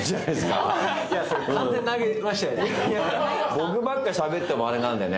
僕ばっかしゃべってもあれなんでね。